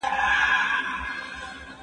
زه به سبا سينه سپين کړم؟!